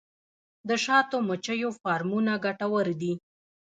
د شاتو مچیو فارمونه ګټور دي